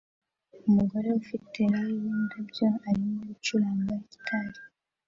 Umugore ufite lei yindabyo arimo gucuranga gitari